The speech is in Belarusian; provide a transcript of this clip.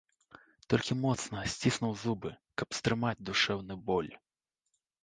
Толькі моцна сціснуў зубы, каб стрымаць душэўны боль.